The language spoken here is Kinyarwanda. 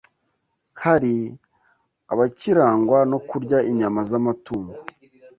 Hari abakirangwa no kurya inyama z’amatungo